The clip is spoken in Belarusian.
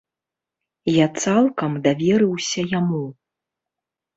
Я цалкам даверыўся яму.